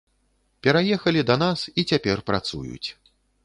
Пераехалі да нас і цяпер працуюць.